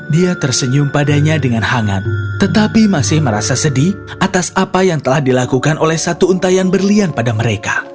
dia tersenyum padanya dengan hangat tetapi masih merasa sedih atas apa yang telah dilakukan oleh satu untayan berlian pada mereka